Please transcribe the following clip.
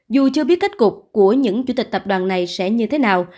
dù chưa biết kết cục của những chủ tịch tập đoàn này sẽ như thế nào